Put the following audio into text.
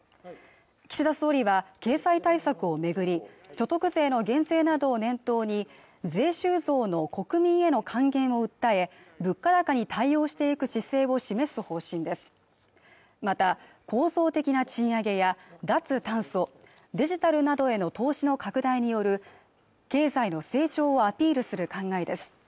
岸田総理は経済対策を巡り所得税の減税などを念頭に税収増の国民への還元を訴え物価高に対応していく姿勢を示す方針ですまた構造的な賃上げや脱炭素デジタルなどへの投資の拡大による経済の成長をアピールする考えです